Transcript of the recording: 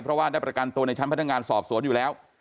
เพราะว่าได้ประกันตัวในชั้นพนักงานสอบสวนอยู่แล้ว